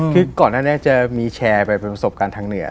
คือก่อนหน้านี้จะมีแชร์ไปเป็นประสบการณ์ทางเหนือ